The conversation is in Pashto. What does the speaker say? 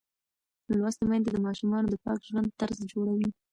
لوستې میندې د ماشومانو د پاک ژوند طرز جوړوي.